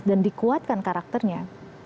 dan dikuatkan karakternya